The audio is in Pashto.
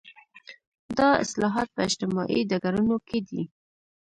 دا اصلاحات په اجتماعي ډګرونو کې دي.